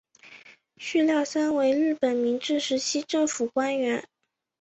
续彦三为日本明治时期政府官员。